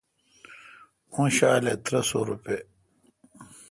اوں شالہ ترہ سوروپے°